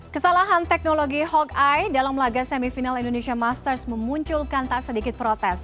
kesalahan teknologi hawkey dalam laga semifinal indonesia masters memunculkan tak sedikit protes